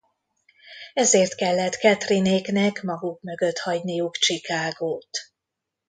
Ezért kellett Katherine-éknek maguk mögött hagyniuk Chicagót.